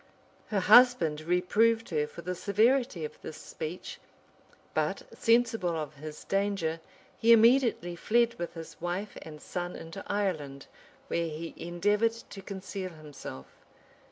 Her husband reproved her for the severity of this speech; but, sensible of his danger, he immediately fled with his wife and son into Ireland, where he endeavored to conceal himself.